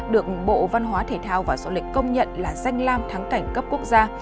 được bộ văn hóa thể thao và sộ lịch công nhận là danh lam thắng cảnh cấp quốc gia